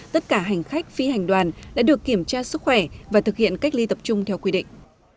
tất cả hành khách phi hành đoàn đã được kiểm tra sức khỏe và thực hiện cách ly tập trung theo quy định